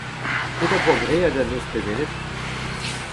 Petra ho poa graet an noz tremenet ?